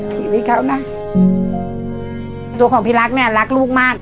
ชีวิตเขานะตัวของพี่รักเนี่ยรักลูกมาก